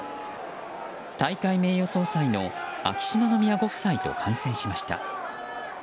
大会名誉総裁の秋篠宮ご夫妻と観戦しました。